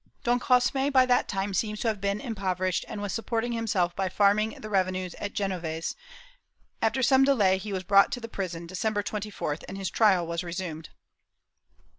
Don Cosme by that time seems to have been impoverished, and was supporting himself by farming the revenues at Genoves; after some delay he was brought to the prison, December 24th and his trial was resumed.